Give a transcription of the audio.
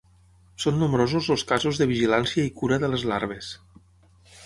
Són nombrosos els casos de vigilància i cura de les larves.